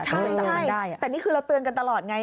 ใช่แต่นี่คือเราเตือนกันตลอดไง